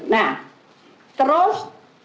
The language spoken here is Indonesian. nah terus dua ribu dua puluh satu